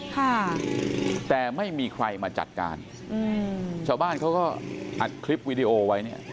ค่ะแต่ไม่มีใครมาจัดการอืมชาวบ้านเขาก็อัดคลิปวีดีโอไว้เนี่ย